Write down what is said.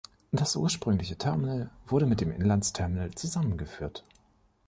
Das ursprüngliche Terminal wurde mit dem Inlandsterminal zusammengeführt.